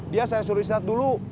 dia saya suruh snat dulu